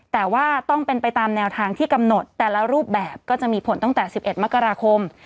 แต่ว่าต้องเป็นไปตามแนวทางที่กำหนดแต่ละรูปแบบก็จะมีผลตั้งแต่๑๑มกราคม